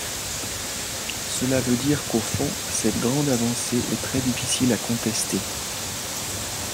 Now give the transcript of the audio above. Cela veut dire qu’au fond, cette grande avancée est très difficile à contester.